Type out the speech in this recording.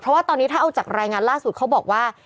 เพราะว่าตอนนี้ถ้าเอาจากรายงานล่าสุดเขาบอกว่า